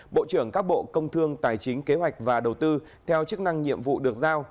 bộ trưởng các bộ công thương tài chính kế hoạch và đầu tư theo chức năng nhiệm vụ được giao